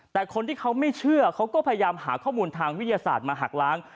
แต่คนที่เขาไม่เชื่อเขาก็พยายามหาข้อมูลทางวิทยาศาสตร์มาหักล้าง